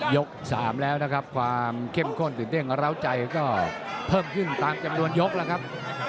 ๓แล้วนะครับความเข้มข้นตื่นเต้นร้าวใจก็เพิ่มขึ้นตามจำนวนยกแล้วครับ